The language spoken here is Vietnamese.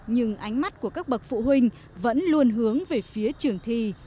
nhưng ánh mắt của các bậc phụ huynh vẫn luôn hướng về phía trường thi